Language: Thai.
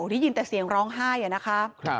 ได้ยินแต่เสียงร้องไห้นะคะ